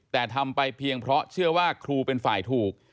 แต่ทำไปเพียงเพราะเชื่อว่าครูเป็นฝ่ายถูก